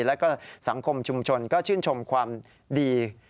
แล้วก็สังคมชุมชนก็ชื่นชมความดี